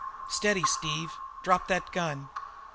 "Steady, Steve! Drop that gun!